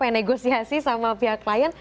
negosiasi sama pihak klien